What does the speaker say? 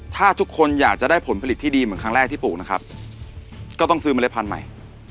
ถ้าทุกคนอยากจะได้ผลผลิตที่ดีเหมือนครั้งแรกที่ปลูกนะครับก็ต้องซื้อเมล็ดพันธุ์ใหม่